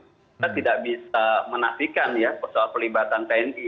kita tidak bisa menafikan ya soal pelibatan tni